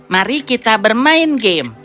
mari kita bermain game